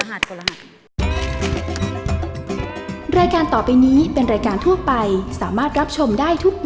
โหลดเลยกดปุ๊บกดรหัสโหลด